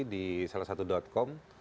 di salah satu dotcom